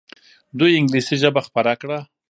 دوی انګلیسي ژبه خپره کړه.